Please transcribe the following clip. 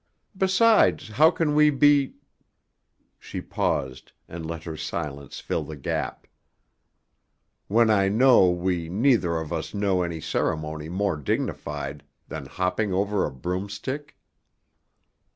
Besides, how can we be " she paused, and let her silence fill the gap, "when I know we neither of us know any ceremony more dignified than hopping over a broomstick?"